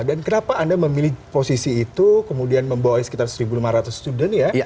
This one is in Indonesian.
dan kenapa anda memilih posisi itu kemudian membawa sekitar satu lima ratus student ya